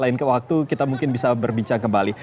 lain ke waktu kita mungkin bisa berbincang kembali